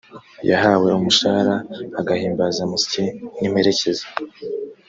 yahawe umushahara , agahimbazamusyi n’ imperekeza .